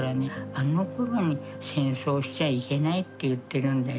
「あの頃に戦争しちゃいけないって言ってるんだよ」